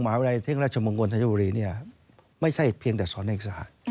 วิทยาลัยเทคราชมงคลธัญบุรีเนี่ยไม่ใช่เพียงแต่สอนนักศึกษา